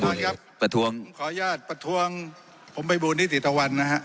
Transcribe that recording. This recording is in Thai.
ขออนุญาตประทวงขออนุญาตประทวงผมไม่บูรณ์นิติตะวันนะฮะ